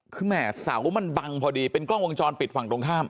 คือแหม่เสามันบังพอดีเป็นกล้องวงจรปิดฝั่งตรงข้าม